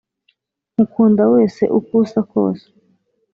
Nkukunda wese ukusa kose